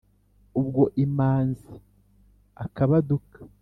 ubwo imanzi akabaduka